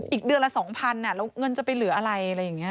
อีกเดือนละ๒๐๐๐บาทแล้วเงินจะไปเหลืออะไร